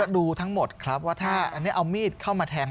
ดูทั้งหมดครับว่าถ้าอันนี้เอามีดเข้ามาแทง